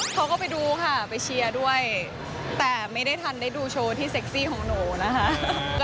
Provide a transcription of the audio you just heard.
เขาก็ไปดูค่ะไปเชียร์ด้วยแต่ไม่ได้ทันได้ดูโชว์ที่เซ็กซี่ของหนูนะคะ